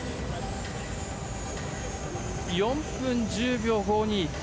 ４分１０秒５２。